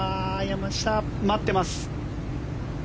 山下、待ってます。